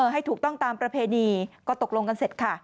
ให้ถูกต้องตามประเพณีก็ตกลงกันเสร็จค่ะ